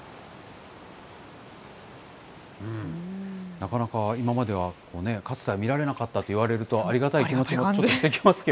なかなか今までは、かつては見られなかったといわれると、ありがたい気持ちもちょっ本当に。